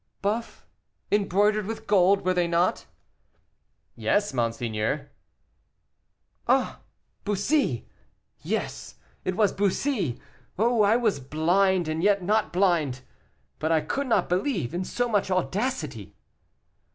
"Buff, embroidered with gold, were they not?" "Yes, monseigneur." "Ah! Bussy! yes, it was Bussy. Oh, I was blind and yet not blind; but I could not believe in so much audacity."